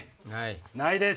ないです。